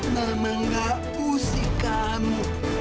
mama gak usik kamu